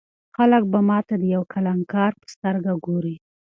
خلک به ما ته د یو کلانکار په سترګه ګوري.